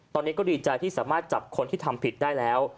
ตอนนี้ก็ดีใจที่สามารถจับคนที่ทำผิดได้แล้ว